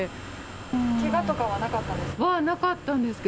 けがとかはなかったんですか？